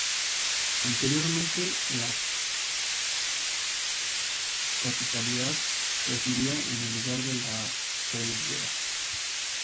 Anteriormente la capitalidad residía en el lugar de La Felguera.